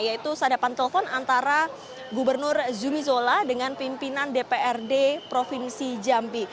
yaitu sadapan telpon antara gubernur zubizola dengan pimpinan dprd provinsi jambi